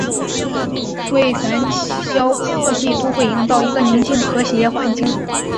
为繁嚣国际都会营造一个宁静和谐环境。